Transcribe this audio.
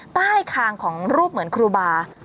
ใต้คางของรูปเหมือนครูบา